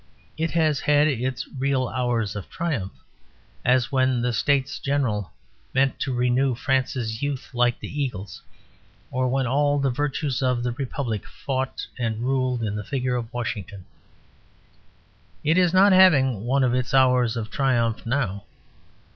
It has had its real hours of triumph, as when the States General met to renew France's youth like the eagle's; or when all the virtues of the Republic fought and ruled in the figure of Washington. It is not having one of its hours of triumph now.